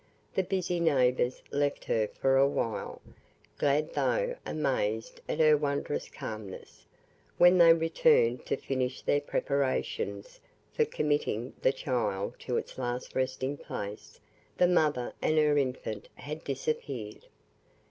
The busy neighbours left her for awhile, glad though amazed at her wondrous calmness; when they returned to finish their preparations for committing the child to its last resting place, the mother and her infant had disappeared.